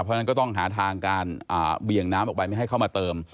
เพราะฉะนั้นก็ต้องหาทางการเบี่ยงน้ำออกไปไม่ให้เข้ามาเติม